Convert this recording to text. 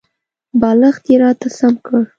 بالښت یې راته سم کړ .